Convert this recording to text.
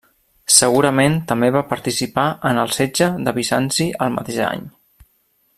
Segurament també va participar en el setge de Bizanci el mateix any.